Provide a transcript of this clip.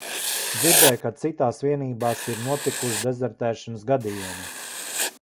Dzirdēju, ka citās vienībās ir notikuši dezertēšanas gadījumi.